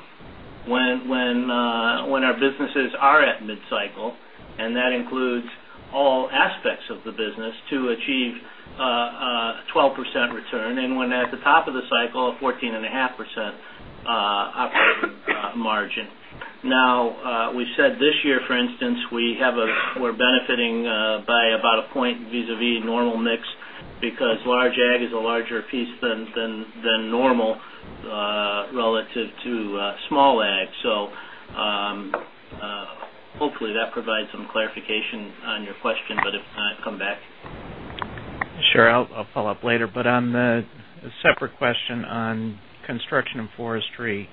when our businesses are at mid-cycle, and that includes all aspects of the business, to achieve a 12% return and one at the top of the cycle, a 14.5% margin. We said this year, for instance, we're benefiting by about a point vis-à-vis normal mix because large ag is a larger piece than normal relative to small ag. Hopefully, that provides some clarification on your question, but if not, come back. Sure. I'll follow up later. On the separate question on construction and forestry,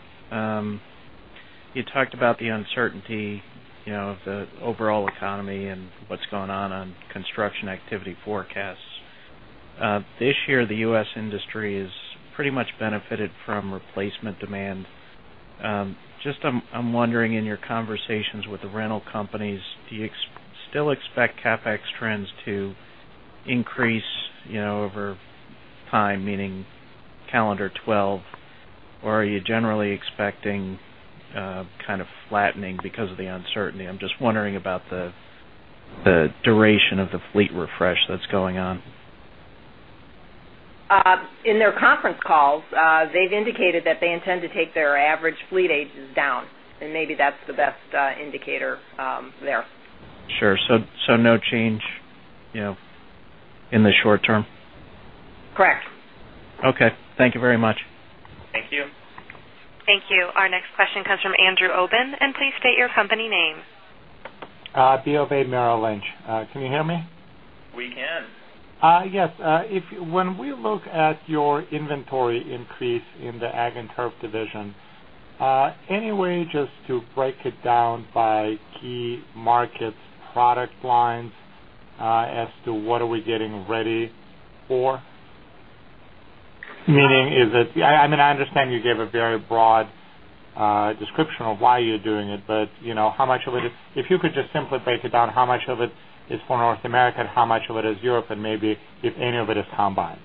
you talked about the uncertainty of the overall economy and what's going on with construction activity forecasts. This year, the U.S. industry has pretty much benefited from replacement demand. I'm wondering, in your conversations with the rental companies, do you still expect CapEx trends to increase over time, meaning calendar 2012, or are you generally expecting kind of flattening because of the uncertainty? I'm just wondering about the duration of the fleet refresh that's going on. In their conference calls, they've indicated that they intend to take their average fleet ages down. Maybe that's the best indicator there. Sure, no change in the short term? Correct. Okay, thank you very much. Thank you. Thank you. Our next question comes from Andrew Obin, and please state your company name. BOB, Merrill Lynch. Can you hear me? We can. Yes. When we look at your inventory increase in the Ag and Turf division, any way just to break it down by key markets, product lines, as to what are we getting ready for? Meaning, is it, I understand you gave a very broad description of why you're doing it, but you know, how much of it, if you could just simply break it down, how much of it is for North America and how much of it is Europe and maybe if any of it is combines?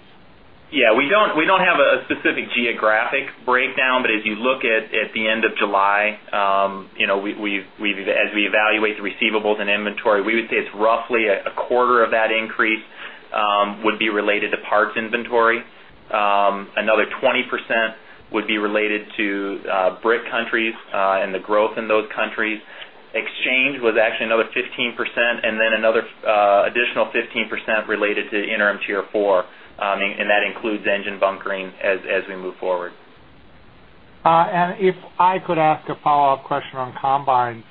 Yeah. We don't have a specific geographic breakdown, but as you look at the end of July, as we evaluate the receivables and inventory, we would say it's roughly a quarter of that increase would be related to parts inventory. Another 20% would be related to BRIC countries and the growth in those countries. Exchange was actually another 15%, and then another additional 15% related to interim Tier 4. That includes engine bunkering as we move forward. If I could ask a follow-up question on combines,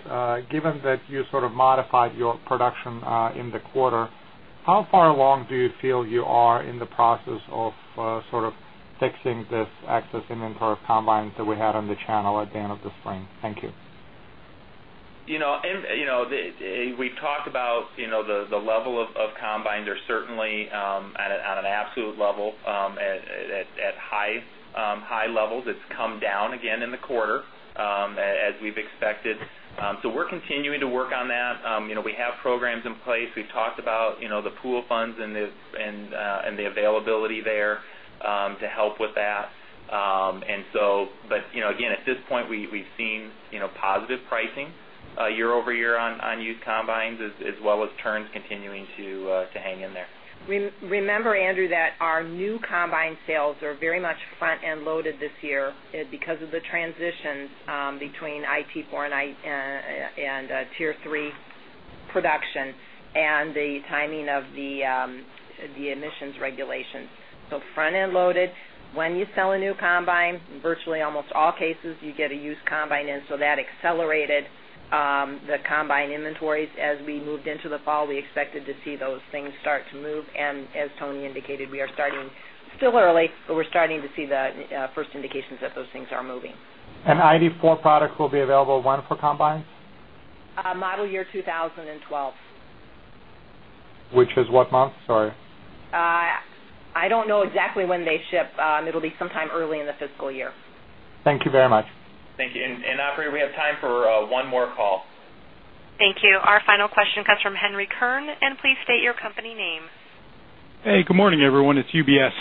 given that you sort of modified your production in the quarter, how far along do you feel you are in the process of sort of fixing this excess inventory of combines that we had on the channel at the end of the spring? Thank you. We talked about the level of combines. They're certainly on an absolute level at high levels. It's come down again in the quarter, as we've expected. We're continuing to work on that. We have programs in place. We've talked about the pool funds and the availability there to help with that. At this point, we've seen positive pricing year over year on used combines as well as turns continuing to hang in there. Remember, Andrew, that our new combine sales are very much front-end loaded this year because of the transitions between interim Tier 4 and Tier 3 production and the timing of the emissions regulation. Front-end loaded, when you sell a new combine, in virtually almost all cases, you get a used combine in. That accelerated the combine inventories as we moved into the fall. We expected to see those things start to move. As Tony indicated, we are starting, still early, but we're starting to see the first indications that those things are moving. ID4 product will be available when for combine? Model year 2012. Which is what month? Sorry. I don't know exactly when they ship. It'll be sometime early in the fiscal year. Thank you very much. Thank you. I figured we have time for one more call. Thank you. Our final question comes from Henry Kern, and please state your company name. Hey, good morning, everyone. It's UBS.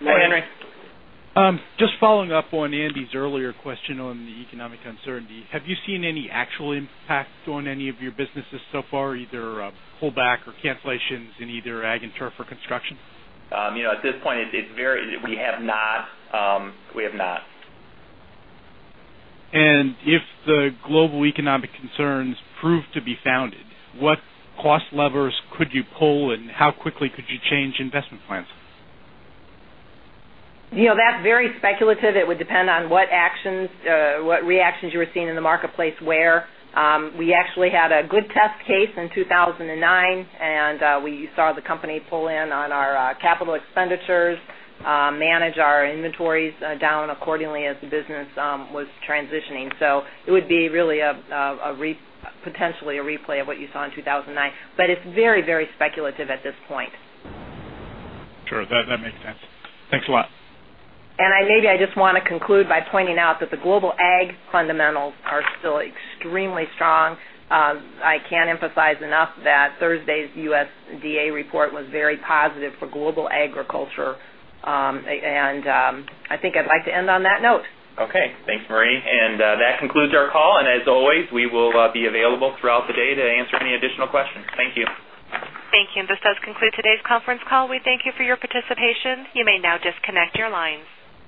Hey, Henry. Just following up on Andy's earlier question on the economic uncertainty. Have you seen any actual impact on any of your businesses so far, either a pullback or cancellations in either ag and turf or construction? At this point, we have not. We have not. If the global economic concerns prove to be founded, what cost levers could you pull and how quickly could you change investment plans? That's very speculative. It would depend on what actions, what reactions you were seeing in the marketplace where. We actually had a good test case in 2009, and we saw the company pull in on our capital expenditures, manage our inventories down accordingly as the business was transitioning. It would be really a potentially a replay of what you saw in 2009. It's very, very speculative at this point. Sure, that makes sense. Thanks a lot. I just want to conclude by pointing out that the global ag fundamentals are still extremely strong. I can't emphasize enough that Thursday's USDA report was very positive for global agriculture. I think I'd like to end on that note. Okay. Thanks, Marie. That concludes our call. As always, we will be available throughout the day to answer any additional questions. Thank you. Thank you. This does conclude today's conference call. We thank you for your participation. You may now disconnect your lines.